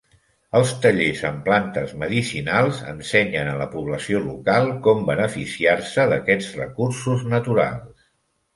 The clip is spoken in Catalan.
Els tallers en plantes medicinals ensenyen a la població local com beneficiar-se d'aquests recursos naturals.